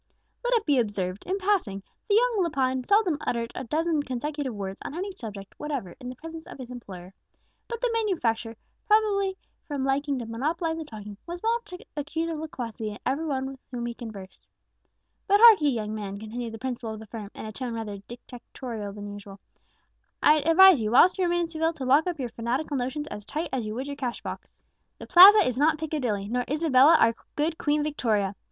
Let it be observed, in passing, that young Lepine seldom uttered a dozen consecutive words on any subject whatever in the presence of his employer; but the manufacturer, probably from liking to monopolize the talking, was wont to accuse of loquacity every one with whom he conversed. "But hark'ee, young man," continued the principal of the firm, in a tone rather more dictatorial than usual, "I'd advise you, whilst you remain in Seville, to lock up your fanatical notions as tight as you would your cash box. The Plaza is not Piccadilly, nor Isabella our good Queen Victoria.